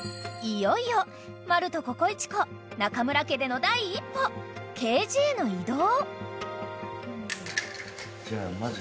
［いよいよマルとココイチ子中村家での第一歩ケージへの移動］